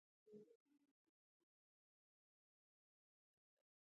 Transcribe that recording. ځغاسته د خوږ خوب سبب ده